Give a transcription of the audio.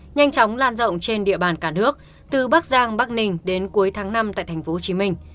nhanh chóng lan rộng trên địa bàn cả nước từ bắc giang bắc ninh đến cuối tháng năm tại tp hcm